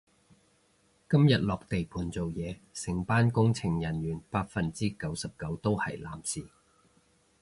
今日落地盤做嘢，成班工程人員百分之九十九都係男士